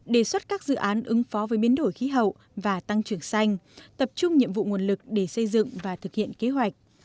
đề xuất các dự án ứng phó với biến đổi khí hậu và tăng trưởng xanh tập trung nhiệm vụ nguồn lực để xây dựng và thực hiện kế hoạch